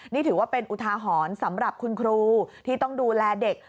นี่ถือว่าเป็นอุทาหรณ์สำหรับคุณครูที่ต้องดูแลเด็ก